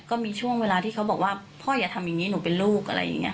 ก็มีช่วงเวลาที่เขาบอกว่าพ่ออย่าทำอย่างนี้หนูเป็นลูกอะไรอย่างนี้